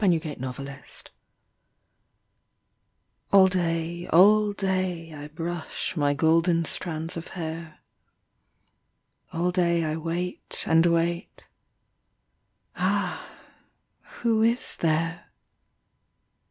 72 RAPUNZEL All day, all day I brush My golden strands of hair; All day I wait and wait. ... Ah, who is there?